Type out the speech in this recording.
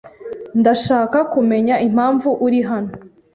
Ndashaka kumenya impamvu uri hano.